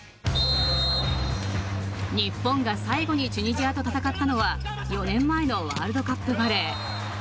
日本が最後にチュニジアと戦ったのは４年前のワールドカップバレー。